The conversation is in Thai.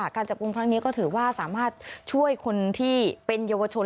การจับกลุ่มครั้งนี้ก็ถือว่าสามารถช่วยคนที่เป็นเยาวชน